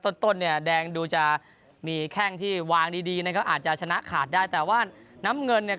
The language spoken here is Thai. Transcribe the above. ต้นต้นเนี่ยแดงดูจะมีแข้งที่วางดีดีนะครับอาจจะชนะขาดได้แต่ว่าน้ำเงินเนี่ย